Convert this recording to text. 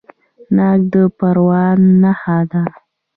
ناک د پروان نښه ده.